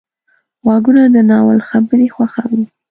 غوږونه د ناول خبرې خوښوي